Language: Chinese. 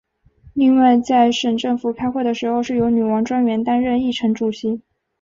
另外在省政府开会的时候是由女王专员担任议程主席。